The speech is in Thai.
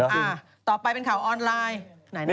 อ่าต่อไปเป็นข่าวออนไลน์